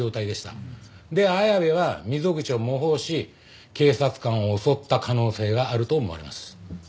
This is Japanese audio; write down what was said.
で綾部は溝口を模倣し警察官を襲った可能性があると思われます。